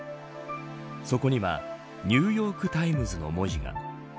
そこにはニューヨーク・タイムズの文字が。